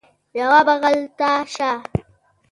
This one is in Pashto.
یوه بغل ته شه